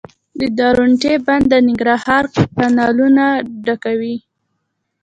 د درونټې بند د ننګرهار کانالونه ډکوي